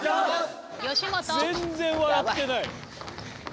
全然笑ってないやん。